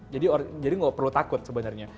jadi nggak perlu takut sebenarnya